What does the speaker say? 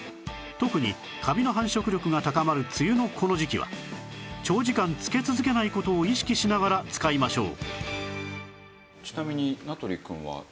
特にカビの繁殖力が高まる梅雨のこの時期は長時間つけ続けない事を意識しながら使いましょう